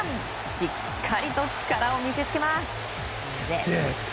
しっかりと力を見せつけます。